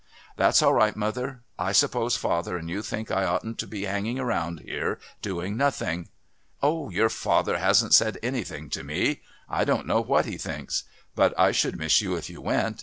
"That's all right, mother. I suppose father and you think I oughtn't to be hanging around here doing nothing." "Oh, your father hasn't said anything to me. I don't know what he thinks. But I should miss you if you went.